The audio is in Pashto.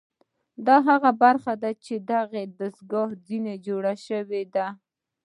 دا هغه برخه ده چې دغه دستګاه ځنې جوړه شوې ده